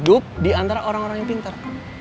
diantara orang orang yang pintar